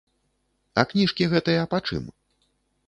А кніжкі гэтыя пачым?